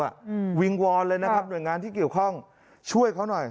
วิงวอนเลยนะครับหน่วยงานที่เกี่ยวข้องช่วยเขาหน่อย